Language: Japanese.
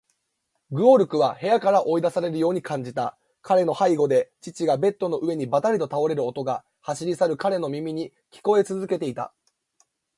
ゲオルクは部屋から追い出されるように感じた。彼の背後で父がベッドの上にばたりと倒れる音が、走り去る彼の耳に聞こえつづけていた。